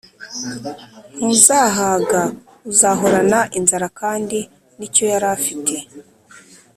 ntuzahaga uzahorana inzara kandi nicyo yarafite